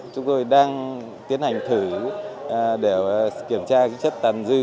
chúng tôi đang tiến hành thử để kiểm tra chất tàn dư